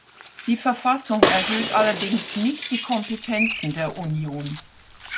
Die Verfassung erhöht allerdings nicht die Kompetenzen der Union.